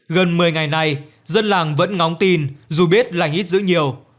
gần một mươi ngày nay dân làng vẫn ngóng tin dù biết là ít giữ nhiều